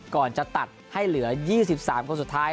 ก่อนจะตัดให้เหลือ๒๓คนสุดท้าย